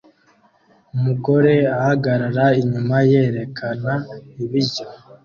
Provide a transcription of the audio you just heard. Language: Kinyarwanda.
umugore ahagarara inyuma yerekana ibiryo